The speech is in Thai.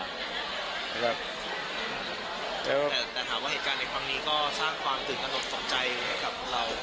แต่ถามว่าเหตุการณ์ในครั้งนี้ก็สร้างความตื่นตนกตกใจให้กับเรา